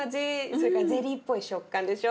それからゼリーっぽい食感でしょ。